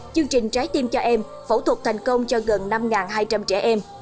chương trình trái tim cho em phẫu thuật thành công cho gần năm hai trăm linh trẻ em